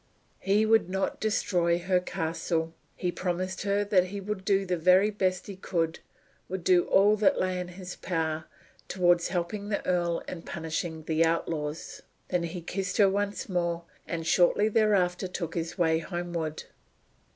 He would not destroy her castle. He promised her that he would do the very best he could would do all that lay in his power towards helping the earl and punishing the outlaws. Then he kissed her once more, and shortly thereafter took his way homeward.